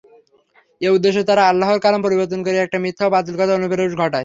এ উদ্দেশ্যে তারা আল্লাহর কালাম পরিবর্তন করে এবং মিথ্যা ও বাতিল কথার অনুপ্রবেশ ঘটায়।